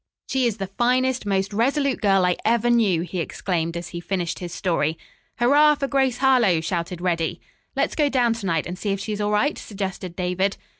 "She is the finest, most resolute girl I ever knew!" he exclaimed as he finished his story. "Hurrah for Grace Harlowe!" shouted Reddy. "Let's go down to night and see if she's all right?" suggested David.